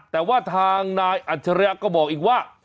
แต่ว่าทางนายอัจฉริยะก็บอกอีกว่า